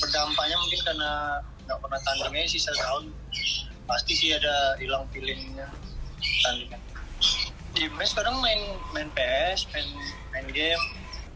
di mes sekarang main ps main game